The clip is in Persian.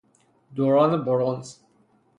دوران برنز